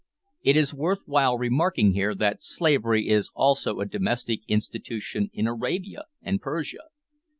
It is worth while remarking here, that slavery is also a domestic institution in Arabia and Persia.